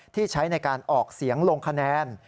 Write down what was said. ที่ใช้ในการออกเสียงลงคะแนน